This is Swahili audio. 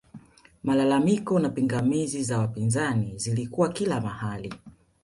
malalamiko na pingamizi za wapinzani zilikuwa kila mahali